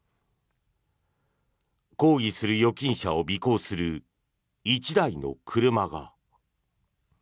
抗議する預金者を尾行する１台の車が。